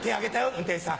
運転手さん。